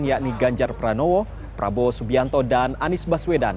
yakni ganjar pranowo prabowo subianto dan anies baswedan